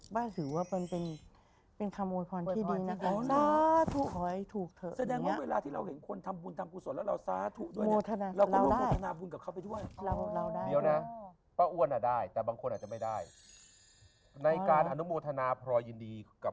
บ้าถือว่าเป็นคำโอภัณฑ์ที่ดีนะครับ